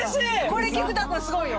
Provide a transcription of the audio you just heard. これ菊田君すごいよ。